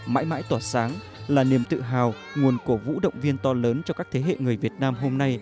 mãi mãi tỏa sáng là niềm tự hào nguồn cổ vũ động viên to lớn cho các thế hệ người việt nam hôm nay